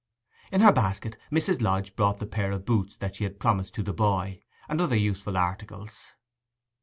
In her basket Mrs. Lodge brought the pair of boots that she had promised to the boy, and other useful articles.